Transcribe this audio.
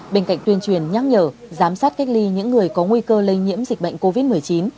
bên cạnh tuyên truyền nhắc nhở giám sát cách ly những người có nguy cơ lây nhiễm dịch bệnh covid một mươi chín